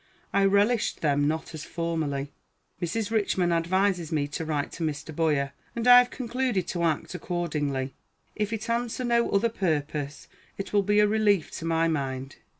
I relished them not as formerly. Mrs. Richman advises me to write to Mr. Boyer, and I have concluded to act accordingly. If it answer no other purpose, it will be a relief to my mind.